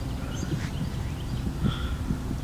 卜睿哲。